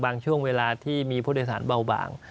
ช่วงเวลาที่มีผู้โดยสารเบาบาง